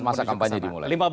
lima belas masa kampanye dimulai